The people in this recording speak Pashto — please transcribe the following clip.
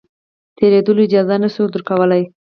تېرېدلو اجازه نه شو درکولای.